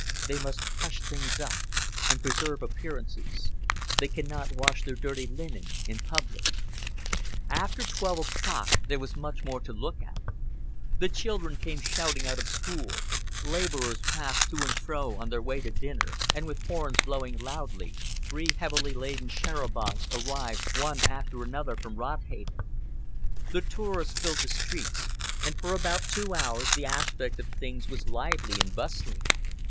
They must hush things up, and preserve appearances: they can not wash their dirty linen in public. After twelve o'clock there was much more to look at. The children came shouting out of school, laborers passed to and fro on their way to dinner, and with horns loudly blowing, three heavily laden chars a bancs arrived one after another from Rodhaven. The tourists filled the street, and for about two hours the aspect of things was lively and bustling.